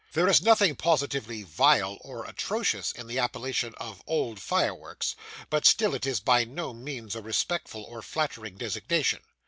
There is nothing positively vile or atrocious in the appellation of 'old Fireworks,' but still it is by no means a respectful or flattering designation.